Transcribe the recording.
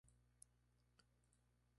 Es originaria de Surinam.